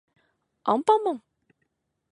アンパンマン